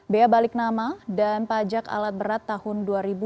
bea balik nama dan pajak alat berat tahun dua ribu dua puluh